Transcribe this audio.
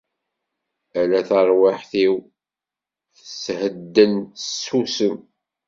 Ala! Tarwiḥt-iw tethedden, tessusem.